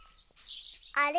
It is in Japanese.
あれ？